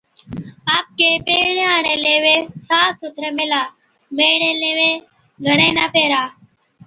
آپڪين پيهرڻي هاڙين ليوين صاف سُٿري ميهلا، ميڙي ليوين گھڻي نہ پيهرا